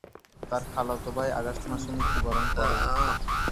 তার খালাতো ভাই আগস্ট মাসে মৃত্যুবরণ করে।